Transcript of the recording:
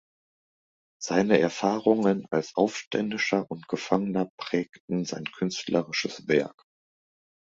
Seine Erfahrungen als Aufständischer und Gefangener prägten sein künstlerisches Werk.